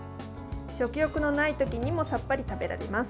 食欲のない時にもさっぱり食べられます。